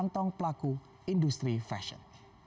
kantong pelaku industri fashion